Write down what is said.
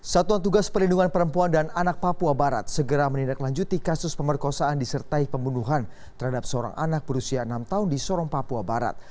satuan tugas perlindungan perempuan dan anak papua barat segera menindaklanjuti kasus pemerkosaan disertai pembunuhan terhadap seorang anak berusia enam tahun di sorong papua barat